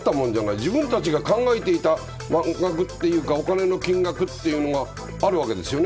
自分たちが考えていた額というかお金の金額というのがあるわけですよね。